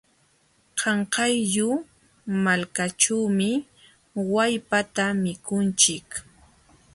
Qanqayllu malkaćhuumi wallpata mikunchik.